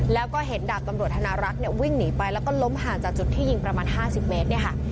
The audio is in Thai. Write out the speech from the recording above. แล้วก็เห็นดาบตำรวจธนารักษ์เนี่ยวิ่งหนีไปแล้วก็ล้มห่างจากจุดที่ยิงประมาณ๕๐เมตรเนี่ยค่ะ